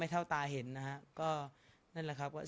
สงฆาตเจริญสงฆาตเจริญ